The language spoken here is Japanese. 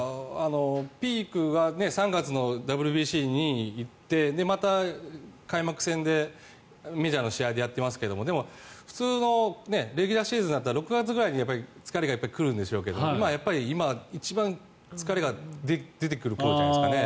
ピークは３月のＷＢＣに行ってまた開幕戦でメジャーの試合でやってますがでも、普通のレギュラーシーズンだったら６月くらいに疲れが来るんでしょうけど今一番、疲れが出てくる頃じゃないですかね。